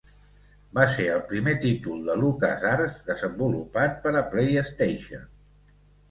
Va ser el primer títol de LucasArts desenvolupat per a PlayStation.